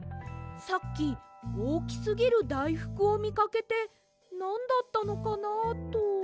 さっきおおきすぎるだいふくをみかけてなんだったのかなあと。